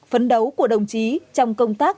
phấn đấu của đồng chí trong công tác